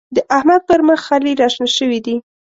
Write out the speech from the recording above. د احمد پر مخ خلي راشنه شوي دی.